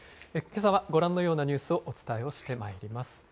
けさはご覧のようなニュースをお伝えをしてまいります。